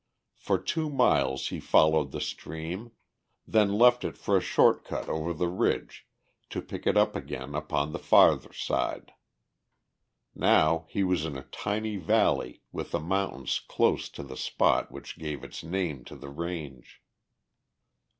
For two miles he followed the stream, then left it for a short cut over the ridge, to pick it up again upon the farther side. Now he was in a tiny valley with the mountains close to the spot which gave its name to the range.